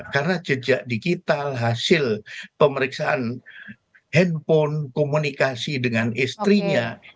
karena jejak digital hasil pemeriksaan handphone komunikasi dengan istrinya